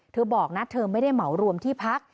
บอกนะเธอไม่ได้เหมารวมที่พัก